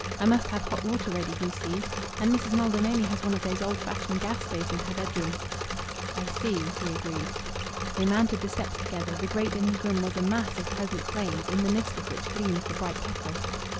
I must have hot water ready, you see. And Mrs. Maldon only has one of those old fashioned gas stoves in her bedroom " "I see," he agreed. They mounted the steps together. The grate in his room was a mass of pleasant flames, in the midst of which gleamed the bright kettle.